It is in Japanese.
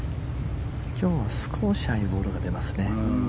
今日は少しああいうボールが出ますね。